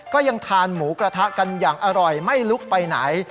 ก็ยังทานหมูกระทะกันอย่างอร่อยไม่ลุกไปไหน